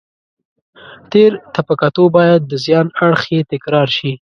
تېر ته په کتو باید د زیان اړخ یې تکرار شي.